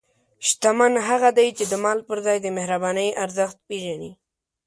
شتمن هغه دی چې د مال پر ځای د مهربانۍ ارزښت پېژني.